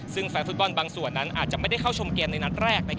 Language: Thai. ซึ่งแฟนฟุตบอลบางส่วนนั้นอาจจะไม่ได้เข้าชมเกมในนัดแรก